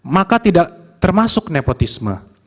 maka tidak termasuk nepotisme